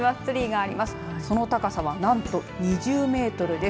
その高さはなんと２０メートルです。